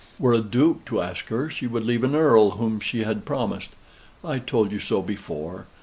Were a duke to ask her, she would leave an earl whom she had promised. I told you so before.